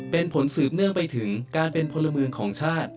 เป็นผลสืบเนื่องไปถึงการเป็นพลเมืองของชาติ